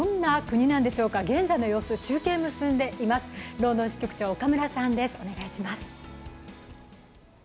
ロンドン支局長岡村さんです。